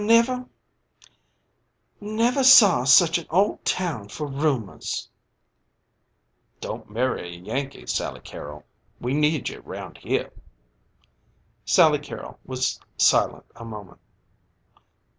"Never saw such an old town for rumors." "Don't marry a Yankee, Sally Carrol. We need you round here." Sally Carrol was silent a moment.